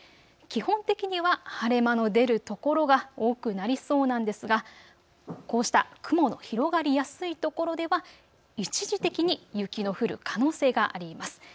基本的には晴れ間の出る所が多くなりそうなんですがこうした雲の広がりやすい所では一時的に雪の降る可能性があります。